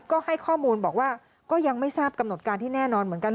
ก็ให้ข้อมูลบอกว่าก็ยังไม่ทราบกำหนดการที่แน่นอนเหมือนกัน